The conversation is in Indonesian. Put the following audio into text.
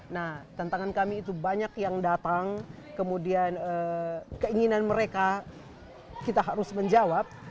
nah tantangan kami itu banyak yang datang kemudian keinginan mereka kita harus menjawab